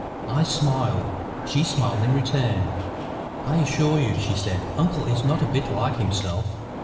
I smiled. She smiled in return. "I assure you," she said, "uncle is not a bit like himself."